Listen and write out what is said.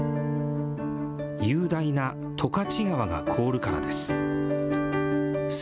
雄大な十勝川が凍るからです。